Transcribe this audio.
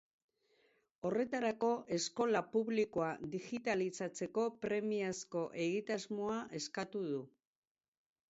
Horretarako, eskola publikoa digitalizatzeko premiazko egitasmoa eskatu du.